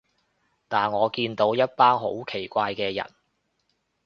但我見到一班好奇怪嘅人